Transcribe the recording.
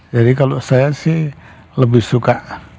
jadi kalau saya sih lebih suka